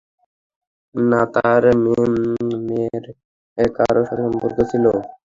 না, তার মেয়ের কারো সাথে সম্পর্ক ছিল।